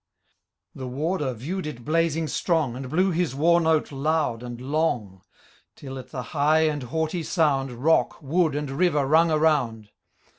The Warder view'd it blazing strong. And blew his wai^note loud and long. Till, at the high and haughty sound. Rode, wood, and river, rung around.